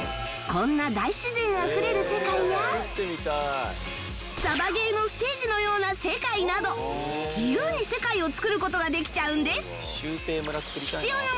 こんな大自然あふれる世界やサバゲーのステージのような世界など自由に世界を作る事ができちゃうんです